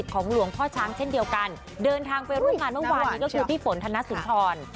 หล่อถลุกในวันนี้ก็คือปิฝนธนสุนทร